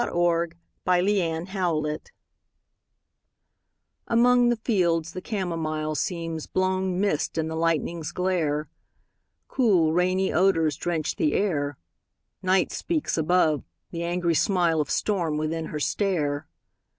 THE WINDOW ON THE HILL Among the fields the camomile Seems blown mist in the lightning's glare: Cool, rainy odors drench the air; Night speaks above; the angry smile Of storm within her stare.